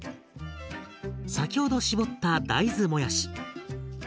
先ほど絞った大豆もやし。